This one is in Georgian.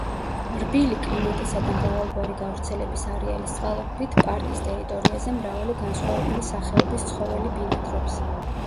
რბილი კლიმატისა და მრავალგვარი გავრცელების არეალის წყალობით, პარკის ტერიტორიაზე მრავალი განსხვავებული სახოების ცხოველი ბინადრობს.